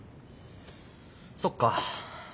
そっか。